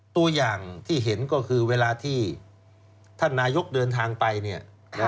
ตัวอย่างที่เห็นก็คือเวลาที่ท่านนายกเดินทางไปเนี่ย